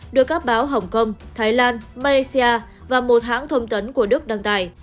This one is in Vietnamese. được các báo hồng kông thái lan malaysia và một hãng thông tấn của đức đăng tải